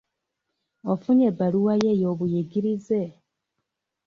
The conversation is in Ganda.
Ofunye ebbaluwa yo ey'obuyigirize?